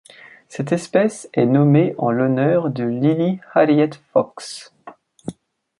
Cette espèce est nommée en l'honneur de Lily Harriet Fox.